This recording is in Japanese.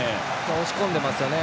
押し込んでますよね。